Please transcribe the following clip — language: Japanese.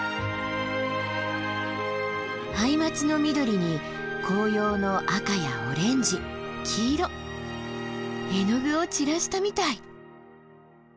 ハイマツの緑に紅葉の赤やオレンジ黄色絵の具を散らしたみたい！